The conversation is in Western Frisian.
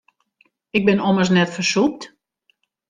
Ik bin ommers net fersûpt.